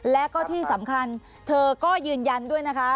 และก็ที่สำคัญเธอก็ยืนยันด้วยนะคะ